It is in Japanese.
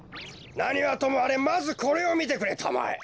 なにはともあれまずこれをみてくれたまえ。